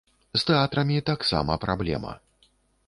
З тэатрамі таксама праблема.